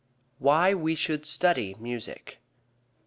WHY WE SHOULD STUDY MUSIC.